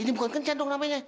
ini bukan kencat dong namanya